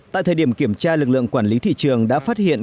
tại thời điểm kiểm tra lực lượng quản lý thị trường đã phát hiện